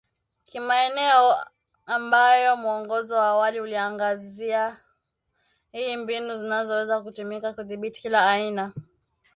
kimaeneo ambayo mwongozo wa awali uliangazia iii mbinu zinazoweza kutumika kudhibiti kila aina